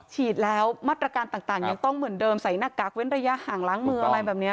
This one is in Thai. ฉีดแล้วมาตรการต่างยังต้องเหมือนเดิมใส่หน้ากากเว้นระยะห่างล้างมืออะไรแบบนี้